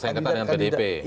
terus terkenal dengan pdip